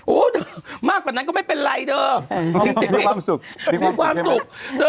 โอ้โหเธอมากกว่านั้นก็ไม่เป็นไรเธอจริงมีความสุขมีความสุข